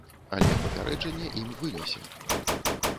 Але папярэджанне ім вынясе.